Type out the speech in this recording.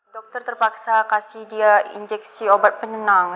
dokter terpaksa kasih dia injeksi obat penyenang